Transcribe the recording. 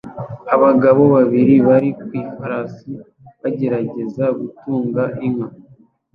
Abagabo babiri bari ku ifarashi bagerageza gutunga inka